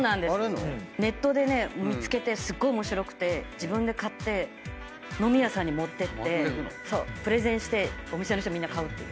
ネットで見つけてすごい面白くて自分で買って飲み屋さんに持ってってプレゼンしてお店の人みんな買うっていう。